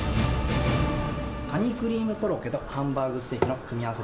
カニクリームコロッケとハンバーグステーキの組み合わせ